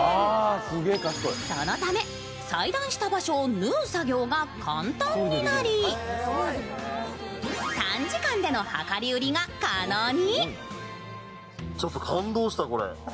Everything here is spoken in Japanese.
そのため、裁断した場所を縫う作業が簡単になり短時間での量り売りが可能に。